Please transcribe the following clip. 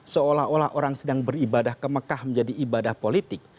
seolah olah orang sedang beribadah ke mekah menjadi ibadah politik